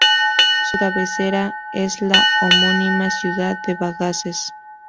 Su cabecera es la homónima ciudad de Bagaces.